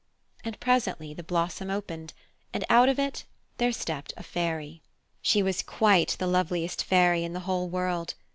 And presently the blossom opened, and out of it there stepped a fairy. She was quite the loveliest fairy in the whole world.